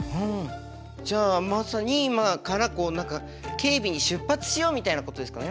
じゃあまさに今からこう何か警備に出発しようみたいなことですかね？